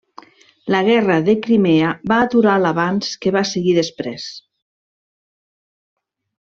La guerra de Crimea va aturar l'avanç que va seguir després.